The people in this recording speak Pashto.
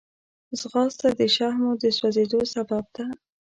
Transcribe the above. ځغاسته د شحمو د سوځېدو سبب ده